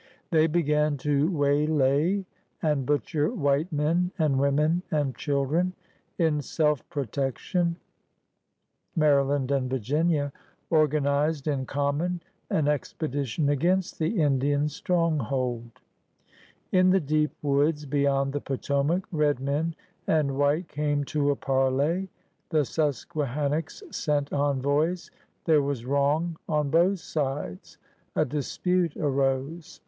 They began to waylay and butcher white men and women and children. In self protection Maryland and Virginia organized m common an expedition against the Indian stronghold. In the deep woods IX 161 les PIONEEBS OF THE OLD SOITTH beyond the Potomac, red men and white came to a parley. The Susqudiannocks sent envoys. There was wrong on both sides. A dispute arose.